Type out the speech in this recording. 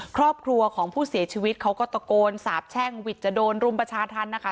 ครอบครัวของผู้เสียชีวิตเขาก็ตะโกนสาบแช่งวิทย์จะโดนรุมประชาธรรมนะคะ